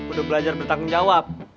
udah belajar bertanggung jawab